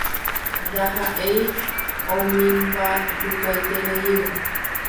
Ndahaʼéi omymbajukaitereíva.